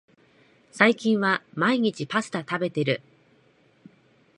最近は毎日パスタ食べてる